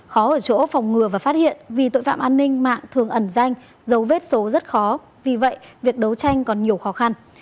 khó ở chỗ phòng ngừa và phát hiện vì tội phạm an ninh mạng thường ẩn danh dấu vết số rất khó vì vậy việc đấu tranh còn nhiều khó khăn